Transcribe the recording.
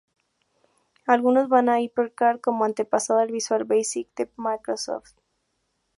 Algunos ven a HyperCard como antepasado del Visual Basic de Microsoft.